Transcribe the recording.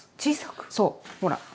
そうほら！